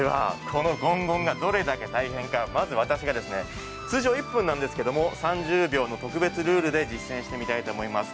このごんごんがどれだけ大変か、まず私が通常１分なんですけど、３０秒の特別ルールで実践したいと思います。